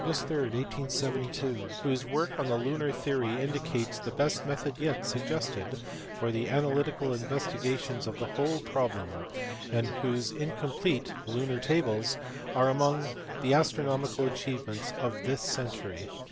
3, 1872, whose work on the lunar theory indicates the best method yet sug gested for the analytical investigations of the whole problem, and whose (incomplete) lunar tables are among the astronomical achievements of this century.